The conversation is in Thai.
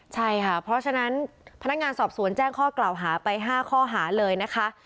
ใช่ค่ะเพราะฉะนั้นพนักงานสอบสวนแจ้งข้อกล่าวหาไป๕ข้อหาเลยนะคะ